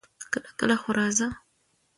کله کله خو راځه!